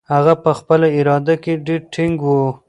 هغه په خپله اراده کې ډېر ټینګ و.